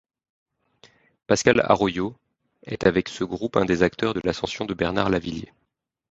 Pascal Arroyo est avec ce groupe un des acteurs de l’ascension de Bernard Lavilliers.